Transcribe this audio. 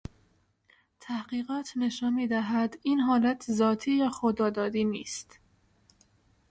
تحقیقات نشان می دهد این حالت ذاتی یا خدادادی نیست